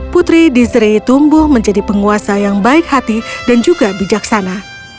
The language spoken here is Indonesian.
putri dizrei tumbuh menjadi penguasa yang baik hati dan juga bijak hati